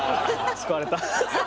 救われた。